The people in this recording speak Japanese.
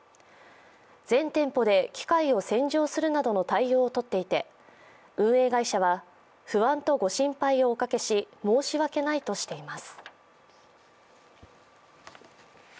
全店舗で機械を洗浄するなどの対応を取っていて運営会社は不安とご心配をおかけし申し訳ないとしています。